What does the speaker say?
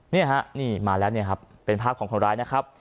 นี่ฮะนี่มาแล้วเนี่ยครับเป็นภาพของคนร้ายนะครับ